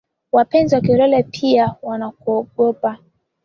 Wapenzi wa kiholela, pia wanakuogopa,